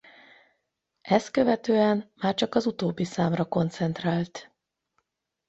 Ezt követően már csak az utóbbi számra koncentrált.